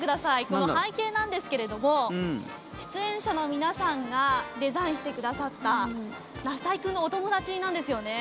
この背景なんですけれども出演者の皆さんがデザインしてくださったなさいくんのお友達なんですよね。